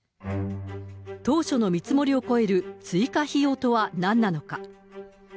当初の見積もりを超える追加費用とは何なのか。